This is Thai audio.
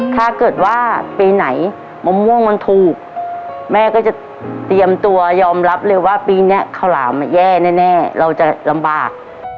ถ้าเกิดว่าปีไหนมะม่วงมันถูกแม่ก็จะเตรียมตัวยอมรับเลยว่าปีนี้ข้าวหลามแย่แน่เราจะลำบาก